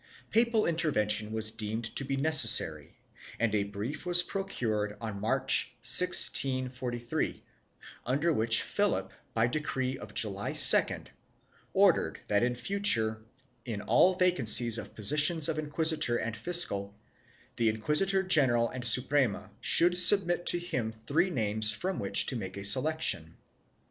Papal intervention was deemed to be necessary and a brief was procured in March, 1643, under which Philip, by decree of July 2, ordered that in future, in all vacancies of positions of inquisitor and fiscal, the inquisitor general and Suprema should submit to him three names from which to make selection.